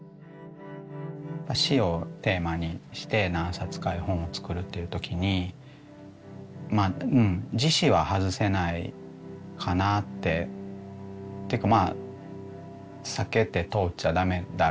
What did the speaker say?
死をテーマにして何冊か絵本を作るっていう時に「自死」は外せないかなってというか避けて通っちゃ駄目だろうっていう。